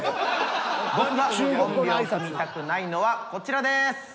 僕がコンビを組みたくないのはこちらです。